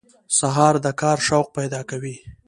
سهار د کار شوق پیدا کوي.